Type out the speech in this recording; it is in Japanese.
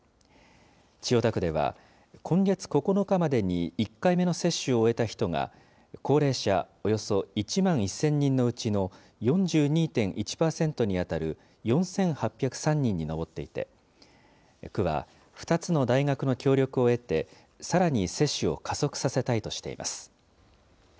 千代田区では今月９日までに１回目の接種を終えた人が、高齢者およそ１万１０００人のうちの４２．１％に当たる４８０３人に上っていて、区は２つの大学の協力を得て、さらに接種を加速させたいとしています。